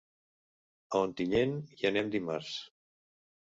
A Ontinyent hi anem dimarts.